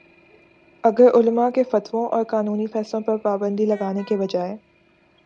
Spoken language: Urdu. اگر علما کے فتووں اور قانونی فیصلوں پر پابندی لگانے کے بجائے